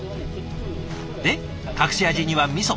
で隠し味にはみそ。